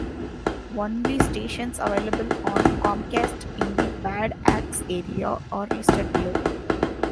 Only stations available on Comcast in the Bad Axe area are listed below.